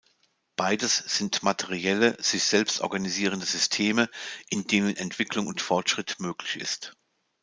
Beides sind materielle, sich selbst organisierende Systeme, in denen Entwicklung und Fortschritt möglich ist.